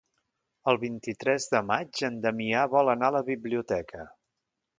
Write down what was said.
El vint-i-tres de maig en Damià vol anar a la biblioteca.